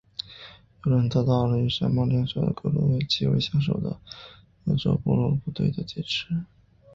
油轮遭到了与山猫联手的格鲁格维奇上校为首的俄国武装部队的劫持。